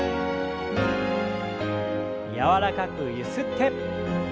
柔らかくゆすって。